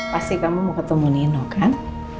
pasti kamu mau ketemu nino kan